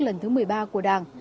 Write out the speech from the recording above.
lần thứ một mươi ba của đảng